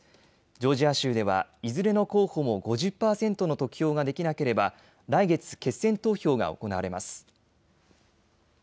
ジョージア州ではいずれの候補も５０％の得票ができなければ来月、決選投票が行われます。